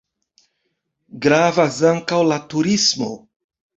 Gravas ankaŭ la turismo.